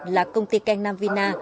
là công ty keng nam vina